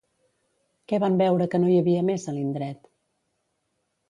Què van veure que no hi havia més a l'indret?